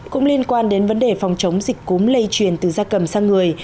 cũng liên quan đến vấn đề phòng chống dịch cúm lây truyền từ da cầm sang người